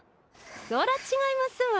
そら違いますわ。